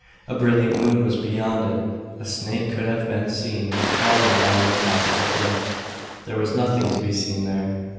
A brilliant moon was beyond it. A snake could have been seen crawling along the top of the cliff. There was nothing to be seen there.